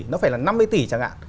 nó phải là năm mươi tỷ chẳng hạn